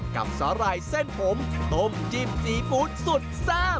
สาหร่ายเส้นผมต้มจิ้มซีฟู้ดสุดแซ่บ